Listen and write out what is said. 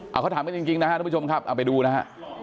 เอาเขาถามกันจริงนะครับทุกผู้ชมครับเอาไปดูนะฮะ